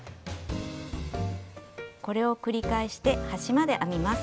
これを繰り返して端まで編みます。